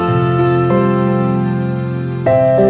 สวัสดีครับ